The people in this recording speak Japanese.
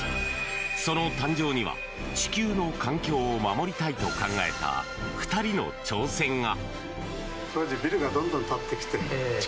その誕生には地球の環境を守りたいと考えた２人の挑戦が！